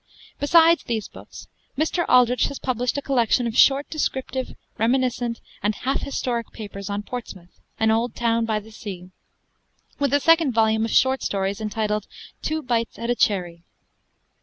Besides these books, Mr. Aldrich has published a collection of short descriptive, reminiscent, and half historic papers on Portsmouth, 'An Old Town by the Sea'; with a second volume of short stories entitled 'Two Bites at a Cherry.'